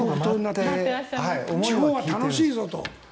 地方は楽しいぞと。